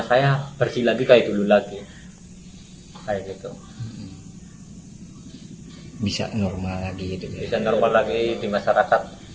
saya bersih lagi kayak dulu lagi kayak gitu bisa normal lagi di indonesia normal lagi di masyarakat